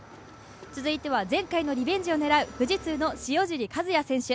続いては前回のリベンジを狙う富士通の塩尻和也選手